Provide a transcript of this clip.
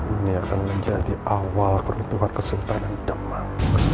ini akan menjadi awal kerentukan kesultanan demak